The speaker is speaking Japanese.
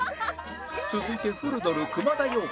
続いて古ドル熊田曜子